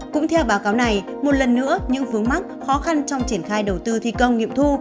cũng theo báo cáo này một lần nữa những vướng mắc khó khăn trong triển khai đầu tư thi công nghiệm thu